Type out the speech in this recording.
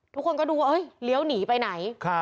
ทุกคนก็ดูว่าเลี้ยวหนีไปไหน